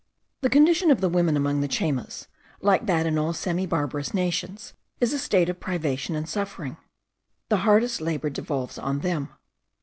The condition of the women among the Chaymas, like that in all semi barbarous nations, is a state of privation and suffering. The hardest labour devolves on them.